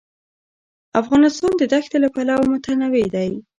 افغانستان د دښتې له پلوه متنوع دی.